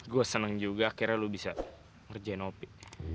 gue senang juga akhirnya lo bisa ngerjain opi